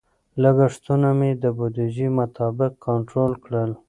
لګښتونه مې د بودیجې مطابق کنټرول کړل.